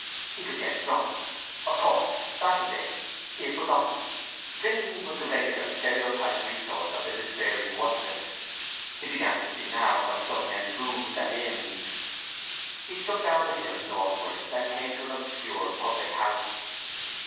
He could get drunk. Of course that was it; he had forgotten. Drinking was the regular, stereotyped resource of the despairing worthless. He began to see now why some men boozed at inns. He struck down the hill northwards and came to an obscure public house.